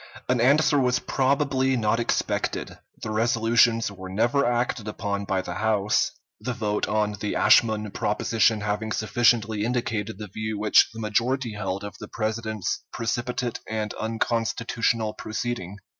An answer was probably not expected; the resolutions were never acted upon by the House, the vote on the Ashmun proposition having sufficiently indicated the view which the majority held of the President's precipitate and unconstitutional proceeding.